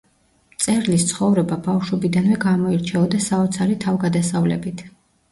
მწერლის ცხოვრება ბავშვობიდანვე გამოირჩეოდა საოცარი თავგადასავლებით.